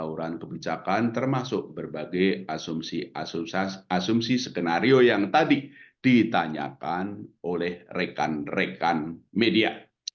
ukuran kebijakan termasuk berbagai asumsi skenario yang tadi ditanyakan oleh rekan rekan media